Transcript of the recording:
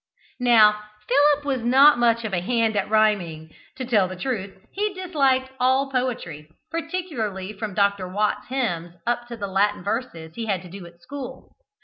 Now Philip was not much of a hand at rhyming: to tell the truth, he disliked all poetry particularly, from Dr. Watts' hymns up to the Latin verses he had to do at school.